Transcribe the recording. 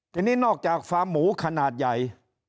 ทีนี้นอกจากฟาร์มหมูขนาดใหญ่